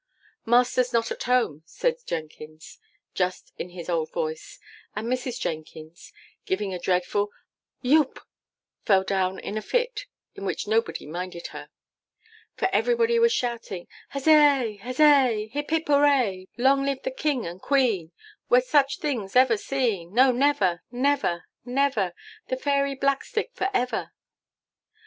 'Master's not at home,' says Jenkins, just in his old voice; and Mrs. Jenkins, giving a dreadful YOUP, fell down in a fit, in which nobody minded her. For everybody was shouting, 'Huzzay! huzzay!' 'Hip, hip, hurray!' 'Long live the King and Queen!' 'Were such things ever seen?' 'No, never, never, never!' 'The Fairy Blackstick for ever!